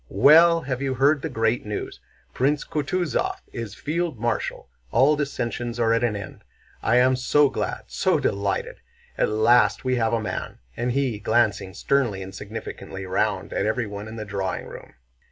"Well, have you heard the great news? Prince Kutúzov is field marshal! All dissensions are at an end! I am so glad, so delighted! At last we have a man!" said he, glancing sternly and significantly round at everyone in the drawing room.